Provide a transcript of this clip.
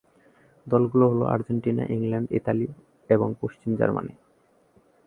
দলগুলো হল: Argentina, England, Italy এবং পশ্চিম জার্মানি।